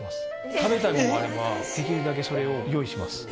食べたいものがあれば、できるだけそれを用意します。